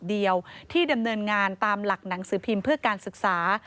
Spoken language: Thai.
เดียวที่ดำเนินงานตามหลักหนังสือพิมพ์เพื่อการศึกษา